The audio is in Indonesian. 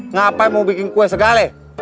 ngapain mau bikin kue segale